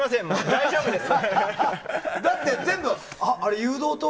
大丈夫です！